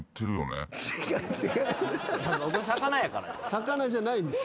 魚じゃないんです。